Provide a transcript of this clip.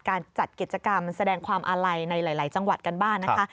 การจัดกิจกรรมแสดงความอาลัยในหลายจังหวัดกันบ้างนะคะ